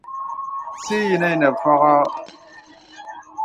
Sì yìnə ìnə fɔ̄gɔ̄.